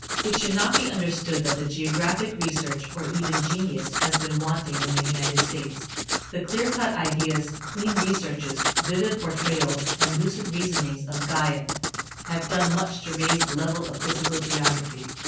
It should not be understood that geographic research, or even genius, has been wanting in the United States. The clear cut ideas, keen researches, vivid portrayals and lucid reasonings of Guyot have done much to raise the level of physical geography.